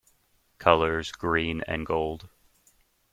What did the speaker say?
Colours: Green and Gold.